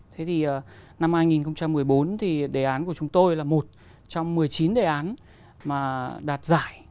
thế thì năm hai nghìn một mươi bốn thì đề án của chúng tôi là một trong một mươi chín đề án mà đạt giải